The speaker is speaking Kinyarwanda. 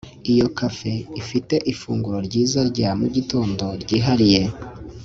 Iyo cafe ifite ifunguro ryiza rya mugitondo ryihariye